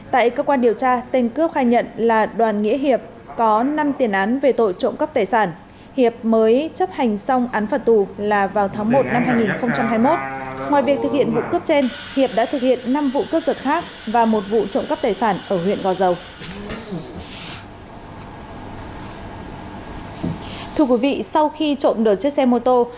tại cơ quan điều tra tên cướp khai nhận là đoàn nghĩa hiệp có năm tiền án về tội trộm cấp tài sản hiệp mới chấp hành xong án phạt tù là vào tháng một năm hai nghìn hai mươi một